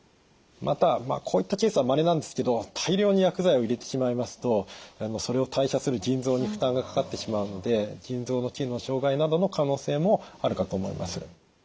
またこういったケースはまれなんですけど大量に薬剤を入れてしまいますとそれを代謝する腎臓に負担がかかってしまうので腎臓の機能障害などの可能性もあるかと思います。